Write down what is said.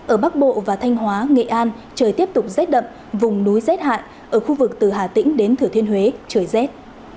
ở bắc bộ và thanh hóa nghệ an trời tiếp tục rét đậm vùng núi rét hại ở khu vực từ hà tĩnh đến thửa thiên huế trời rét